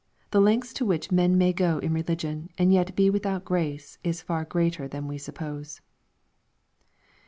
The lengths to which men may go in religion, and yet be without grace, is far greater than we suppose.